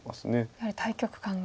やはり大局観が。